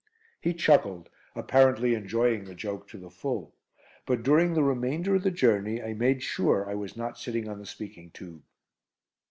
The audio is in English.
He chuckled, apparently enjoying the joke to the full, but during the remainder of the journey I made sure I was not sitting on the speaking tube.